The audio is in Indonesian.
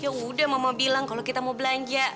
ya udah mama bilang kalau kita mau belanja